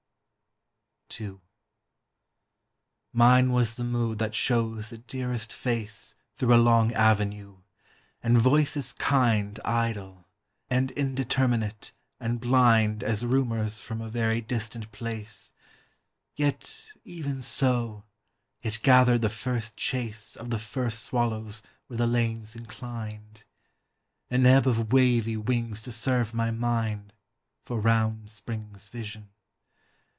II Mine was the mood that shows the dearest face Thro' a long avenue, and voices kind Idle, and indeterminate, and blind As rumors from a very distant place; Yet, even so, it gathered the first chase Of the first swallows where the lane 's inclined, An ebb of wavy wings to serve my mind For round Spring's vision.